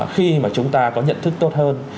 khi mà chúng ta có nhận thức tốt hơn